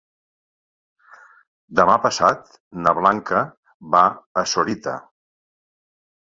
Demà passat na Blanca va a Sorita.